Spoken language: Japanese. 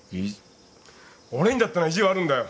俺にだってな意地はあるんだよ。